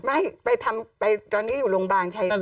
ไม่ไปทำไปตอนนี้อยู่โรงพยาบาลใช่ไหม